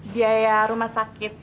biaya rumah sakit